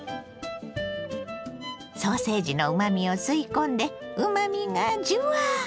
ソーセージのうまみを吸い込んでうまみがジュワッ！